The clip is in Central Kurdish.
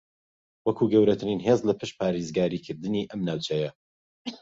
وەکو گەورەترین ھێز لە پشت پارێزگاریکردنی ئەم ناوچەیە